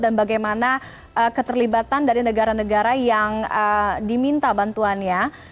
dan bagaimana keterlibatan dari negara negara yang diminta bantuannya